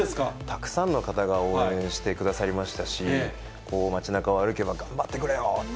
たくさんの方が応援してくださいましたし、街なかを歩けば、頑張ってくれよって。